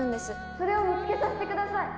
・それを見つけさせて下さい。